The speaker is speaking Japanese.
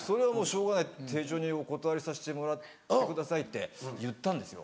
「丁重にお断りさせてもらってください」って言ったんですよ。